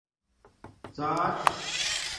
ڎاٹ